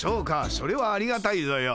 それはありがたいぞよ。